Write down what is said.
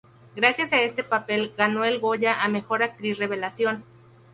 Gracias a este papel ganó el Goya a Mejor actriz revelación.